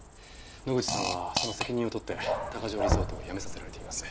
野口さんはその責任を取って高城リゾートを辞めさせられています。